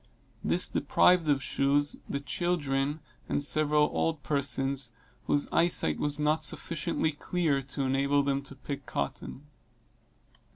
This deprived of shoes the children, and several old persons, whose eye sight was not sufficiently clear to enable them to pick cotton.